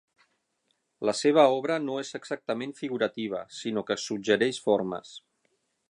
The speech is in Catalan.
La seva obra no és exactament figurativa, sinó que suggereix formes.